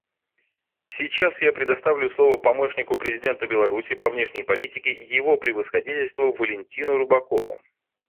Сейчас я предоставляю слово помощнику президента Беларуси по внешней политике Его Превосходительству Валентину Рыбакову.